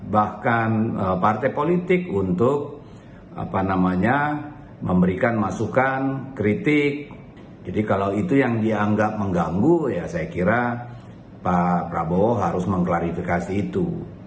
bahkan partai politik untuk memberikan masukan kritik jadi kalau itu yang dianggap mengganggu ya saya kira pak prabowo harus mengklarifikasi itu